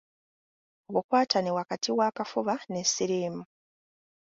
Obukwatane wakati w’akafuba ne siriimu.